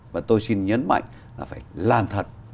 và tôi xin nhấn mạnh là phải làm thật